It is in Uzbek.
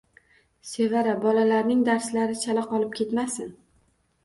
Sevara bolalarning darslari chala qolib ketmasin.